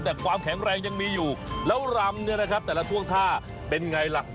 แต่ความแข็งแรงยังมีอยู่แล้วรำเนี่ยนะครับแต่ละท่วงท่าเป็นไงล่ะ